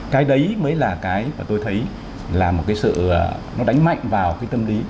cái đấy mới là cái mà tôi thấy là một cái sự nó đánh mạnh vào cái tâm lý